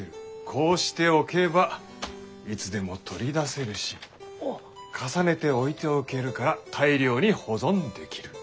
こうしておけばいつでも取り出せるし重ねて置いておけるから大量に保存できる。